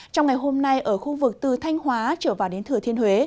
trong ngày hôm nay ở khu vực từ thanh hóa trở vào đến thừa thiên huế